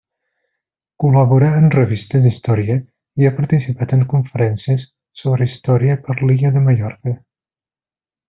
Col·laborà en revistes d'història i ha participat en conferències sobre història per l'illa de Mallorca.